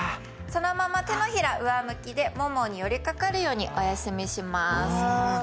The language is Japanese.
そのまま手のひら上向きで、ももに寄りかかるようにお休みします。